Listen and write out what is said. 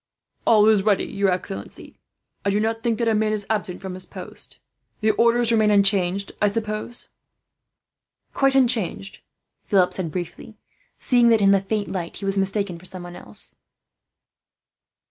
"All is ready, your excellency. I do not think that a man is absent from his post. The orders remain unchanged, I suppose?" "Quite unchanged," Philip said briefly, seeing that in the faint light he was mistaken for someone else.